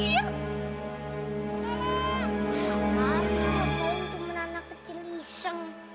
maaf ya gue untuk menanak kecil gieseng